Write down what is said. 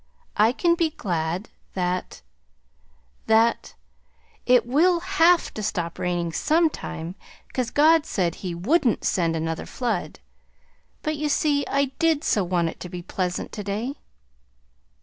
I can be glad that that it will HAVE to stop raining sometime 'cause God said he WOULDN'T send another flood. But you see, I did so want it to be pleasant to day."